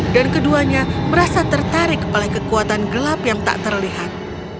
dan keduanya merasa tertarik oleh kekuatan gelap yang tak terlihat